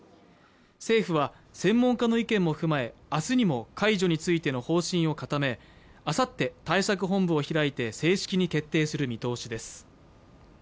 政府は専門家の意見も踏まえ明日にも解除についての方針を固め、あさって対策本部を開いて正式に決定する見通しです。